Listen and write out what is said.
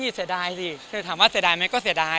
เสียดายสิถามว่าเสียดายไหมก็เสียดาย